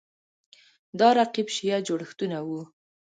دا رقیب شیعه جوړښتونه وو